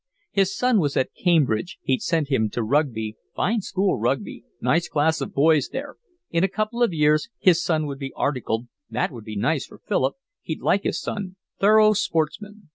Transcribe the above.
His son was at Cambridge, he'd sent him to Rugby, fine school Rugby, nice class of boys there, in a couple of years his son would be articled, that would be nice for Philip, he'd like his son, thorough sportsman.